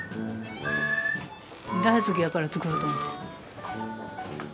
大好きやから作ろうと思って。